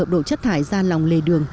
đổ chất thải ra lòng lề đường